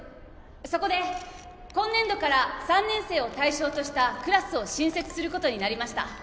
そこで今年度から３年生を対象としたクラスを新設することになりました